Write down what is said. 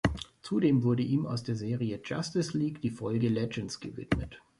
Zudem wurde ihm aus der Serie "Justice League" die Folge „Legends“ gewidmet.